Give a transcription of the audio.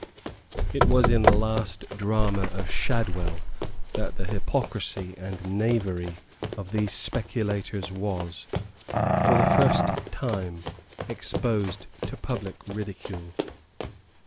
It was in the last drama of Shadwell that the hypocrisy and knavery of these speculators was, for the first time, exposed to public ridicule.